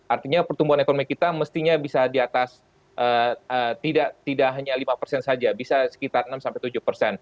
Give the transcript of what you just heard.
artinya pertumbuhan ekonomi kita mestinya bisa di atas tidak hanya lima persen saja bisa sekitar enam tujuh persen